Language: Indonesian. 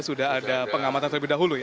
sudah ada pengamatan terlebih dahulu ya